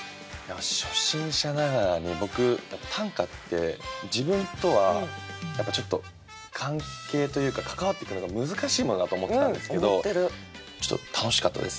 初心者ながらに僕短歌って自分とはやっぱちょっと関係というか関わっていくのが難しいものだと思ってたんですけどちょっと楽しかったです